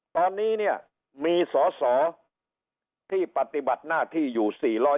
ตอนนี้เนี่ยมีสอสอที่ปฏิบัติหน้าที่อยู่๔๕